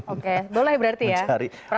oke boleh berarti ya